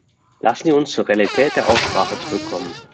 Lassen Sie uns zur Realität der Aussprache zurückkommen.